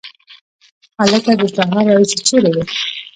هلکه د سهار راهیسي چیري وې؟